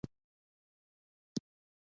چای د استاد د فکر رڼا ده